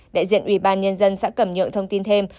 đại diện ủy ban nhân dân xã cẩm nhượng thông tin thêm